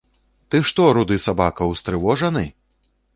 Ты што, руды сабака, устрывожаны?